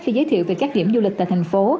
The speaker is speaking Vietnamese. khi giới thiệu về các điểm du lịch tại thành phố